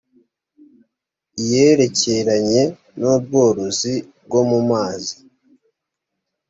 iyerekeranye n ubworozi bwo mu mazi